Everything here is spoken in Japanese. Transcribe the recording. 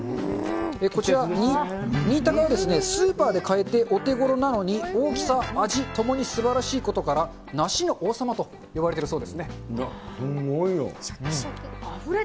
こちら、新高は、スーパーで買えて、お手頃なのに、大きさ、味ともにすばらしいことから、梨の王様と呼ばれているそうです